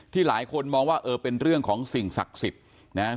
หลายคนมองว่าเออเป็นเรื่องของสิ่งศักดิ์สิทธิ์นะครับ